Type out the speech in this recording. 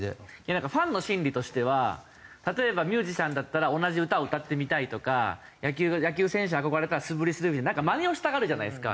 なんかファンの心理としては例えばミュージシャンだったら同じ歌を歌ってみたいとか野球選手憧れたら素振りするみたいななんかマネをしたがるじゃないですか。